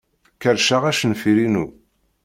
Kerrceɣ acenfir-inu.